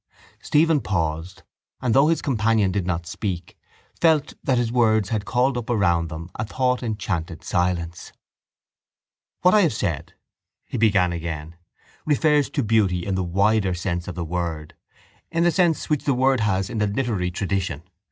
Stephen paused and, though his companion did not speak, felt that his words had called up around them a thought enchanted silence. —What I have said, he began again, refers to beauty in the wider sense of the word, in the sense which the word has in the literary tradition.